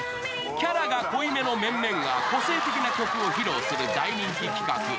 キャラが濃い面々が個性的な曲を披露する大人気企画。